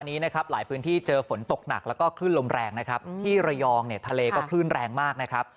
นี้นะครับหลายพื้นที่เจอฝนตกหนักแล้วก็คลื่นลมแรงนะครับที่ระยองเนี่ยทะเลก็คลื่นแรงมากนะครับ